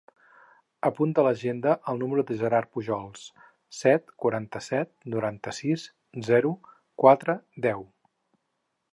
Apunta a l'agenda el número del Gerard Pujols: set, quaranta-set, noranta-sis, zero, quatre, deu.